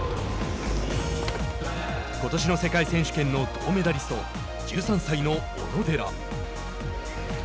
ことしの世界選手権の銅メダリスト１３歳の小野寺。